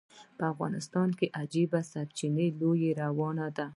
په افغانستان کې عجیبه سرچپه لوبه روانه ده.